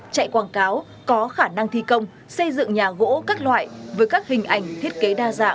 chạy quảng cáo có khả năng thi công xây dựng nhà gỗ các loại với các hình ảnh thiết kế đa dạng